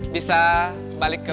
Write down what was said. bisa balik ke